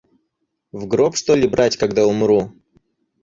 В гроб, что ли, брать, когда умру?